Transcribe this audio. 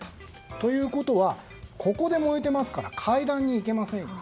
ということはここで燃えていますから階段に行けませんよね。